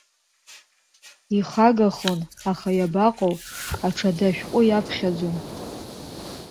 Ихагахон, аха, иабаҟоу, аҽада ашәҟәы иаԥхьаӡом.